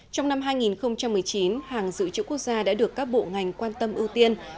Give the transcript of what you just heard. trong năm hai nghìn một mươi chín hàng dự trữ quốc gia đã được các bộ ngành quan tâm ưu tiên